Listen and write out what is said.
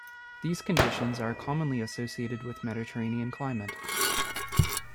These conditions are commonly associated with Mediterranean climate.